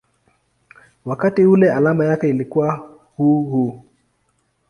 wakati ule alama yake ilikuwa µµ.